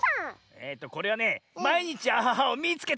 えっとこれはね「まいにちアハハをみいつけた！」。